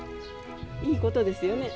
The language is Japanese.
いいことですよね。